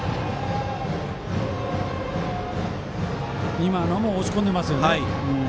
今のも押し込んでますね。